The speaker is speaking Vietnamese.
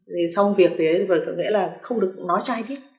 thì xong việc thì vẽ là không được nói cho ai biết